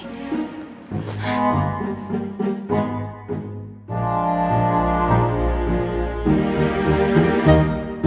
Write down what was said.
kamu udah bangun